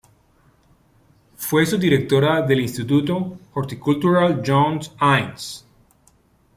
Fue subdirectora del Instituto Horticultural John Innes.